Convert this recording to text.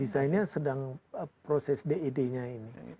desainnya sedang proses ded nya ini